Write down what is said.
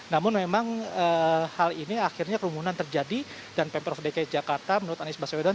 namun memang hal ini akhirnya kerumunan terjadi dan pemprov dki jakarta menurut anies baswedan